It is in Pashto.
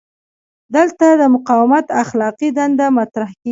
دلته د مقاومت اخلاقي دنده مطرح کیږي.